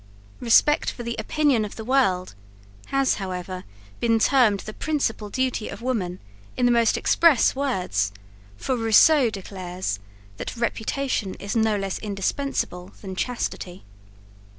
Respect for the opinion of the world, has, however, been termed the principal duty of woman in the most express words, for Rousseau declares, "that reputation is no less indispensable than chastity."